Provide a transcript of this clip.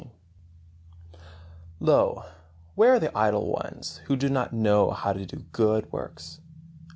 XVI. Lo! where are the idle ones, who do not know how to do good works?